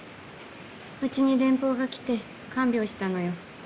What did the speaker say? うちに電報が来て看病したのよ。